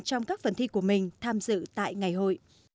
trong các phần thi của mình tham dự tại ngày hội